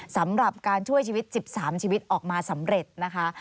สำหรับการช่วยชีวิต๑๓ชีวิตออกมาสำเร็จนะคะ